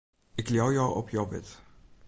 Ik leau jo op jo wurd.